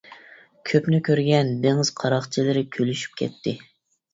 كۆپنى كۆرگەن دېڭىز قاراقچىلىرى كۈلۈشۈپ كەتتى.